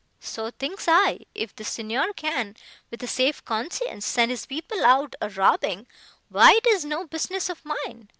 —So, thinks I, if the Signor can, with a safe conscience, send his people out a robbing—why it is no business of mine.